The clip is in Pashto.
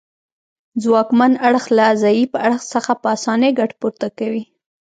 ځواکمن اړخ له ضعیف اړخ څخه په اسانۍ ګټه پورته کوي